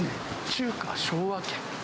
中華昭和軒。